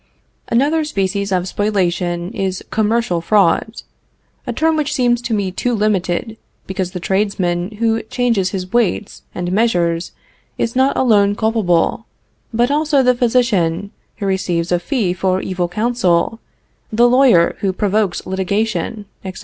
Another species of spoliation is commercial fraud, a term which seems to me too limited because the tradesman who changes his weights and measures is not alone culpable, but also the physician who receives a fee for evil counsel, the lawyer who provokes litigation, etc.